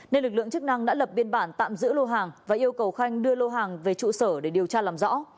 nên lực lượng chức năng đã lập biên bản tạm giữ lô hàng và yêu cầu khanh đưa lô hàng về trụ sở để điều tra làm rõ